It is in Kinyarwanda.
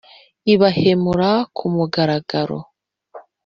ibahemura ku mugaragaro